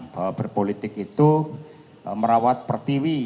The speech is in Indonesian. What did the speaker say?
bahwa berpolitik itu merawat pertiwi